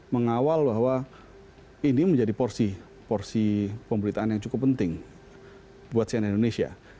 mengawal bahwa ini menjadi porsi porsi pemberitaan yang cukup penting buat cnn indonesia